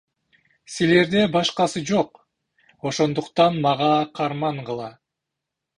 Силерде башкасы жок, ошондуктан мага кармангыла.